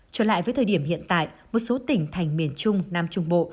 trở lại với thời điểm hiện tại một số tỉnh thành miền trung nam trung bộ